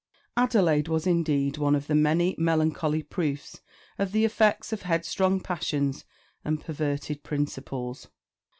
Adelaide was indeed one of the many melancholy proofs of the effects of headstrong passions and perverted principles.